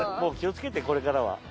う気をつけてこれからは。